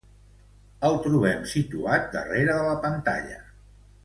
El trobem situat darrere de la pantalla.